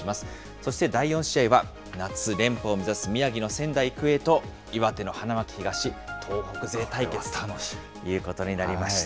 そして第４試合は、夏連覇を目指す宮城の仙台育英と、岩手の花巻東、東北勢対決ということになりました。